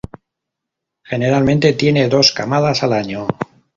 Generalmente tienen dos camadas al año.